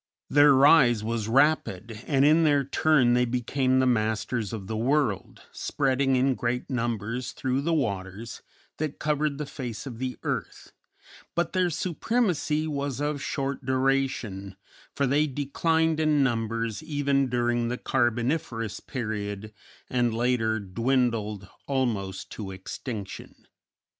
Their rise was rapid, and in their turn they became the masters of the world, spreading in great numbers through the waters that covered the face of the earth; but their supremacy was of short duration, for they declined in numbers even during the Carboniferous Period, and later dwindled almost to extinction.